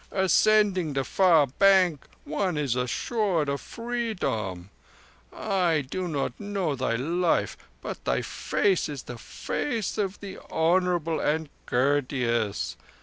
Ascending the far bank one is assured of Freedom. I do not know thy life, but thy face is the face of the honourable and courteous.